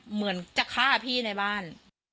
เหมือนจะฆ่าพี่ในบ้าน